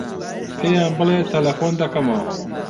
پێیان بڵێ تەلەفۆن دەکەمەوە.